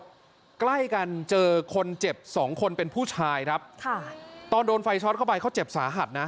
ใกล้กันเจอคนเจ็บสองคนเป็นผู้ชายครับค่ะตอนโดนไฟช็อตเข้าไปเขาเจ็บสาหัสนะ